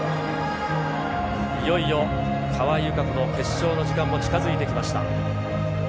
いよいよ川井友香子の決勝の時間も近づいてきました。